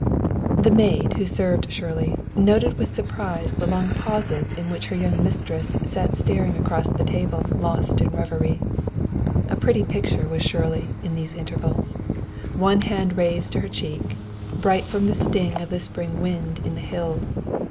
The maid who served Shirley noted with surprise the long pauses in which her young mistress sat staring across the table lost in reverie. A pretty picture was Shirley in these intervals: one hand raised to her cheek, bright from the sting of the spring wind in the hills.